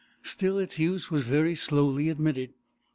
Still, its use was very slowly admitted.